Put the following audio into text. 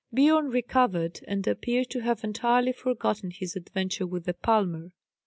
Biorn recovered, and appeared to have entirely forgotten his adventure with the palmer.